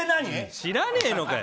知らねえのかよ。